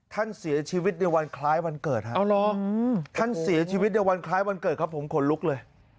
ท่านเสียชีวิตในวันคล้ายวันเกิดครับท่านเสียชีวิตในวันคล้ายวันเกิดครับผมขนลุกเลย